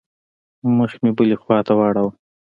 مخ مې بلې خوا ته واړاوه.